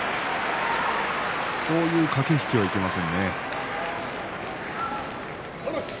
こういう駆け引きはいけません。